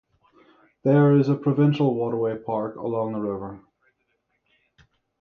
There is a provincial waterway park along the river.